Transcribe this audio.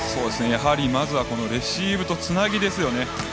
やはりまずはレシーブとつなぎですよね。